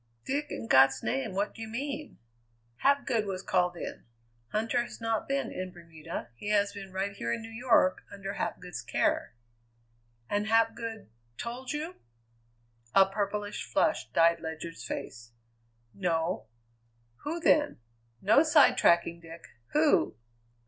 "Dick, in God's name, what do you mean?" "Hapgood was called in. Huntter has not been in Bermuda; he has been right here in New York, under Hapgood's care." "And Hapgood told you?" A purplish flush dyed Ledyard's face. "No." "Who, then? No sidetracking, Dick. Who?"